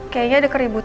kayaknya ada keributan ma